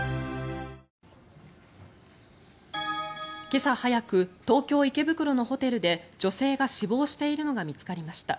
今朝早く東京・池袋のホテルで女性が死亡しているのが見つかりました。